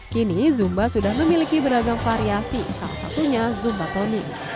kini zumba sudah memiliki beragam variasi salah satunya zumbatomi